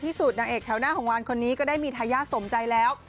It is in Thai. สุดนางเอกแถวหน้าของวานคนนี้ก็ได้มีทายาทสมใจแล้ว